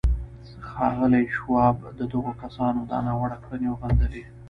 ښاغلي شواب د دغو کسانو دا ناوړه کړنې وغندلې.